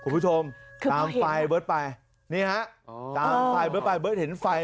ผมตั้งกล้องดูที่